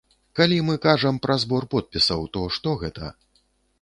Калі мы кажам пра збор подпісаў, то што гэта?